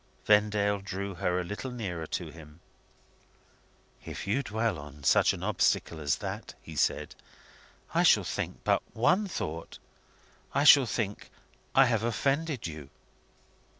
Vendale drew her a little nearer to him. "If you dwell on such an obstacle as that," he said, "I shall think but one thought I shall think I have offended you."